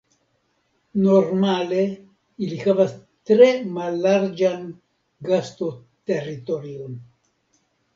Normale ili havas tre mallarĝan gasto-teritorion.